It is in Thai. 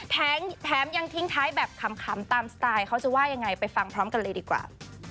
แถมยังทิ้งท้ายแบบขำตามสไตล์เขาจะว่ายังไงไปฟังพร้อมกันเลยดีกว่า